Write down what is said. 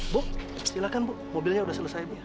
bu silakan bu mobilnya sudah selesai bu